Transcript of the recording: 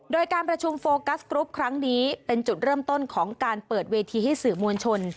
โดยการประชุมโฟกัสกรุ๊ปครั้งนี้เป็นจุดเริ่มต้นของการเปิดเวทีให้สื่อมวลชน